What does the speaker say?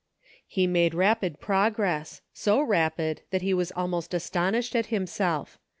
He made rapid progress ; so rapid that he was almost astonished at himself.